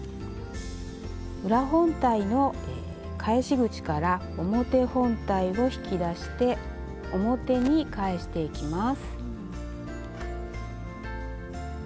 裏本体の返し口から表本体を引き出して表に返していきます。